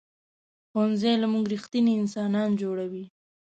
ښوونځی له موږ ریښتیني انسانان جوړوي